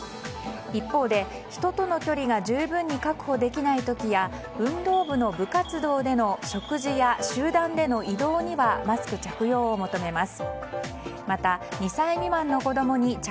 一方で、人との距離が十分に確保できない時や運動部の部活動での食事や集団での移動にはマスク着用を求めます。